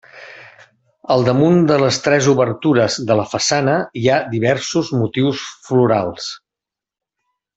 Al damunt de les tres obertures de la façana hi ha diversos motius florals.